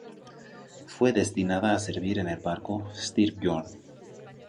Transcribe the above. Fue destinada a servir en el barco "Styrbjörn.